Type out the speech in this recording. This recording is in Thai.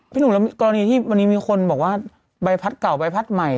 หนุ่มแล้วกรณีที่วันนี้มีคนบอกว่าใบพัดเก่าใบพัดใหม่